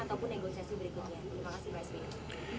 ataupun negosiasi berikutnya terima kasih pak sp